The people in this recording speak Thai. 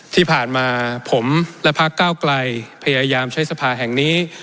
ที่ผ่านมาผมและพักเก้าไกลพยายามใช้สภาแห่งนี้